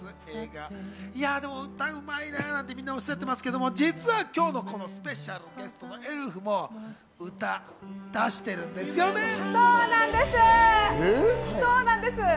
歌うまいねなんてみんなおっしゃってますけど、実は今日のこのスペシャルゲストのエルフも、歌を出してるんですそうなんです！